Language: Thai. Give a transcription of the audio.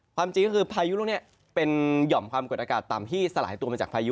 ความจริงก็คือพายุลูกนี้เป็นหย่อมความกดอากาศต่ำที่สลายตัวมาจากพายุ